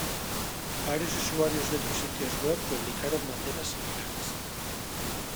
Varios usuarios de otros sitios web publicaron banderas similares.